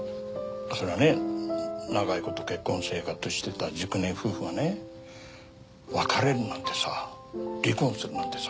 そりゃね長いこと結婚生活してた熟年夫婦はね別れるなんてさ離婚するなんてさ